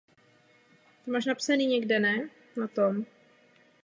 Některé děti tráví surfováním na Internetu několik hodin denně.